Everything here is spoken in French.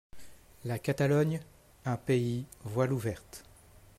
La Catalogne un pays voiles ouvertes.